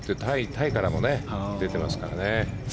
タイからも出てますからね。